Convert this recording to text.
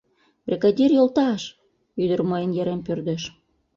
Бригадир йолташ!.. — ӱдыр мыйын йырем пӧрдеш.